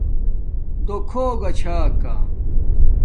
دُو کھݸگا چھا